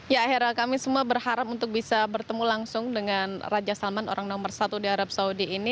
ya hera kami semua berharap untuk bisa bertemu langsung dengan raja salman orang nomor satu di arab saudi ini